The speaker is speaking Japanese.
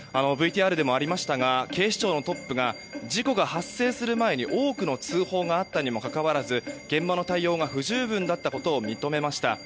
ＶＴＲでもありましたが警視庁のトップが事故が発生する前に多くの通報があったにもかかわらず現場の対応が不十分だったことを認めました。